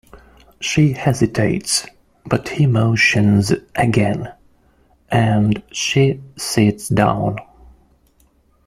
She hesitates, but he motions again, and she sits down.